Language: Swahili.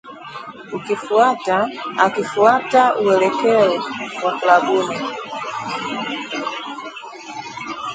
Akiufuata uelekeo wa kilabuni